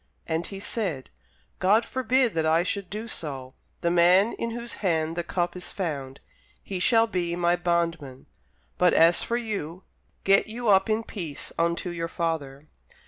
And he said, God forbid that I should do so: the man in whose hand the cup is found, he shall be my bondman; but as for you, get you up in peace unto your father.